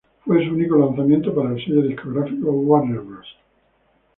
Fue su único lanzamiento para el sello discográfico Warner Bros.